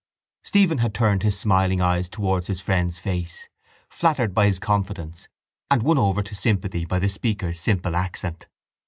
Stephen had turned his smiling eyes towards his friend's face, flattered by his confidence and won over to sympathy by the speaker's simple accent.